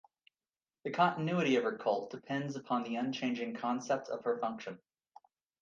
The continuity of her cult depends upon the unchanging concept of her function.